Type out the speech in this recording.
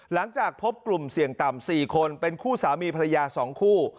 หลังจากพบกลุ่มเสี่ยงต่ำ๔คนเป็นคู่สามีภรรยา๒คู่